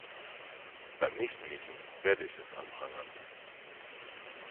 Beim nächsten Meeting werde ich das anprangern.